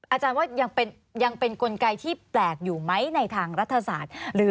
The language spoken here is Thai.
อาจารย์ว่ายังเป็นกลไกที่แปลกอยู่ไหมในทางรัฐศาสตร์